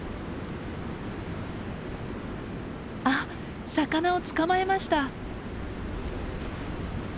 あっ魚を捕まえました。